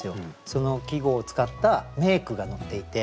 その季語を使った名句が載っていて。